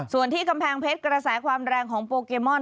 ส่วนที่กำแพงเพชรกระแสความแรงของโปเกมอน